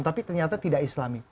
tapi ternyata tidak islami